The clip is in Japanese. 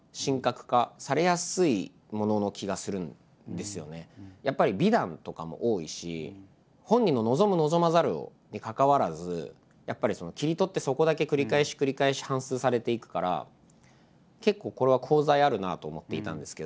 でも実際にやっぱり美談とかも多いし本人の望む望まざるにかかわらずやっぱり切り取ってそこだけ繰り返し繰り返し反すうされていくから結構これは功罪あるなと思っていたんですけど。